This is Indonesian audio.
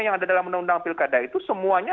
yang ada dalam undang undang pilkada itu semuanya